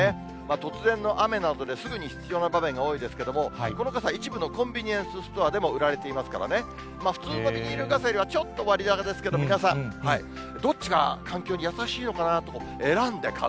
突然の雨などで、すぐに必要な場面が多いですけれども、この傘、一部のコンビニエンスストアでも売られていますからね、普通のビニール傘よりはちょっと割高ですけれども、皆さん、どっちが環境に優しいのかなと選んで買う。